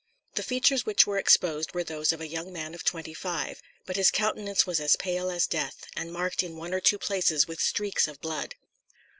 The features which were exposed were those of a young man of twenty five; but his countenance was as pale as death, and marked in one or two places with streaks of blood.